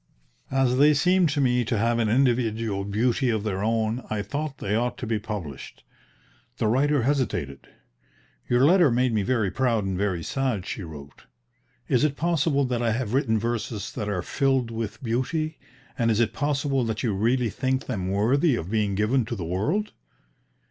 As they seemed to me to have an individual beauty of their own, I thought they ought to be published. The writer hesitated. "Your letter made me very proud and very sad," she wrote. "Is it possible that I have written verses that are 'filled with beauty,' and is it possible that you really think them worthy of being given to the world?